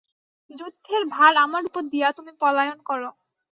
যুদ্ধের ভার আমার উপর দিয়া তুমি পলায়ন করো।